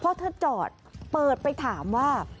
พอเธอจอดเปิดไปถามว่า